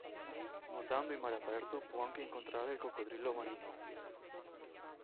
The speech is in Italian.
Nuotando in mare aperto può anche incontrare il coccodrillo marino.